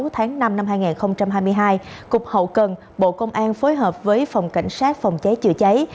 tại ngày năm sáu năm hai nghìn hai mươi hai cục hậu cần bộ công an phối hợp với phòng cảnh sát phòng cháy chữa cháy